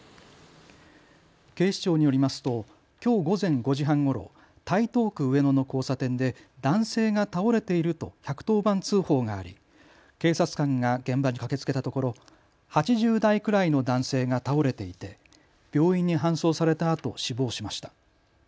警視庁によりますときょう午前５時半ごろ、台東区上野の交差点で男性が倒れていると１１０番通報があり警察官が現場に駆けつけたところ８０代くらいの男性が倒れていて病院に搬送されたあと死亡しました。